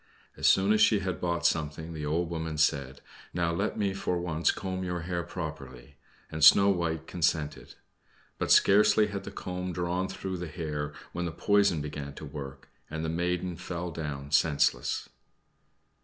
As soon as she had bought something the old woman said, "Now let me for once comb your hair properly," and Snow White consented. But scarcely was the comb drawn through the hair when the poison began to work, and the maiden fell down senseless.